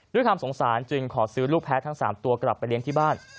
ด้วยความสงสารจึงขอซื้อลูกแพ้ทั้ง๓ตัวกลับไปเลี้ยงที่บ้าน